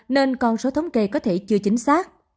nên con số thống kê có thể chưa chính xác